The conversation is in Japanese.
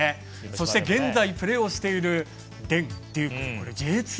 そして、現在、プレーをしているデン、デューク。